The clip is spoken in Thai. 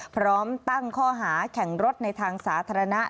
พร้อมตั้งข้อหาแข่งรถในทางสาธารณะ